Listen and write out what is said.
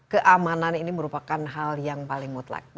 keamanan ini merupakan hal yang paling mutlak